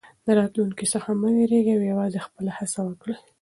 له راتلونکي څخه مه وېرېږئ او یوازې خپله هڅه وکړئ.